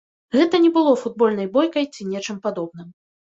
Гэта не было футбольнай бойкай ці нечым падобным.